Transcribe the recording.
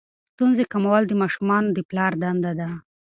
ستونزې کمول د ماشومانو د پلار دنده ده.